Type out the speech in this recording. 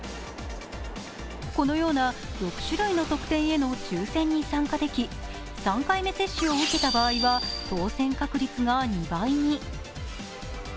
このような６種類の特典への抽選に参加でき３回目接種を受けた場合は当選確率が２倍に。